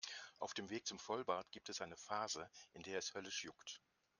Auf dem Weg zum Vollbart gibt es eine Phase, in der es höllisch juckt.